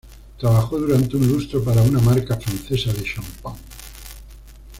Trabajó durante un lustro para una marca francesa de champán.